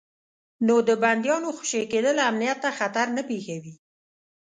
نو د بندیانو خوشي کېدل امنیت ته خطر نه پېښوي.